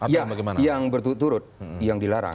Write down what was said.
ya yang berturut turut yang dilarang